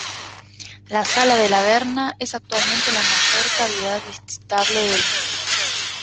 La Sala de la Verna es actualmente la mayor cavidad visitable del mundo.